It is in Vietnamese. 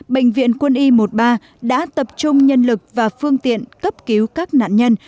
bệnh viện quân y một mươi ba đã tập trung nhân lực và phương tiện cấp cứu các nạn nhân